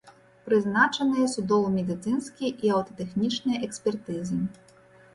Прызначаныя судова-медыцынскія і аўтатэхнічныя экспертызы.